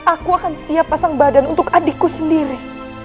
aku akan siap pasang badan untuk adikku sendiri